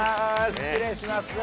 失礼します。